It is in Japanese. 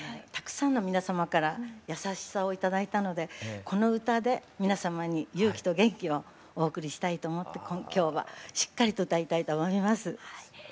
たくさんの皆様から優しさを頂いたのでこの歌で皆様に勇気と元気をお送りしたいと思って今日はしっかりと歌いたいと思います。